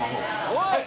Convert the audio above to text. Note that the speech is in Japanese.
おい！